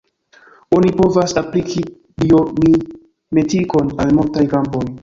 Oni povas apliki biomimetikon al multaj kampoj.